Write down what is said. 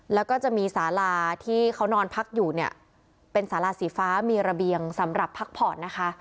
แล้วก็จะมีสาลาที่เขานอนพักอยู่เนี่ยเป็นสาราสีฟ้ามีระเบียงสำหรับพักผ่อนนะคะ